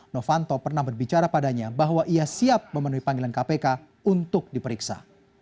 novanto pernah berbicara padanya bahwa ia siap memenuhi panggilan kpk untuk diperiksa